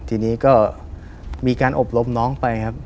ทีนี้ก็มีการอบรมน้องไปครับ